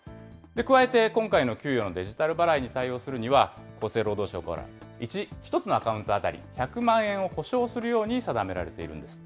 加えて今回の給与のデジタル払いに対応するためには、厚生労働省から１つのアカウント当たり１００万円を保証するように定められているんです。